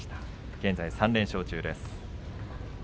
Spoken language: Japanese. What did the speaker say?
現在３連勝中です。